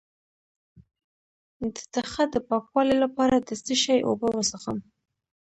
د تخه د پاکوالي لپاره د څه شي اوبه وڅښم؟